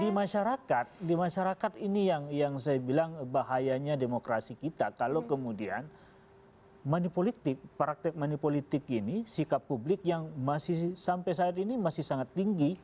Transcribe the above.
di masyarakat di masyarakat ini yang saya bilang bahayanya demokrasi kita kalau kemudian money politik praktek manipolitik ini sikap publik yang masih sampai saat ini masih sangat tinggi